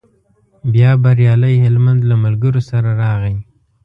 بیا بریالی هلمند له ملګرو سره راغی.